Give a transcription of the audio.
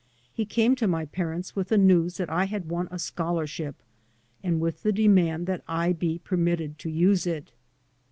He came to my parents with the news that I had won a scholarship, and with the demand that I be permitted to use it.